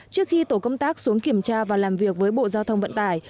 trước khi tổ công tác xuống kiểm tra và làm việc với bộ giao thông vận tải